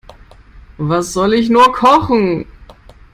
Was soll ich nur kochen?